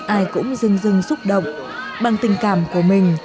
ai cũng rưng rưng xúc động bằng tình cảm của mình